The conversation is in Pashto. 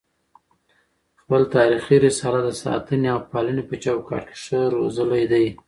خپل تاریخي رسالت د ساتني او پالني په چوکاټ کي ښه روزلی دی